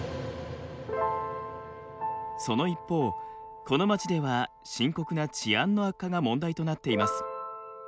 その一方この街では深刻な治安の悪化が問題となっています。